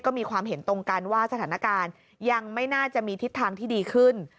ก็มีความเห็นตรงกันว่าสถานการณ์ยังไม่น่าจะมีทิศทางที่ดีขึ้น